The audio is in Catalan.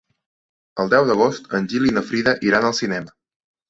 El deu d'agost en Gil i na Frida iran al cinema.